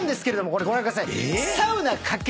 これご覧ください。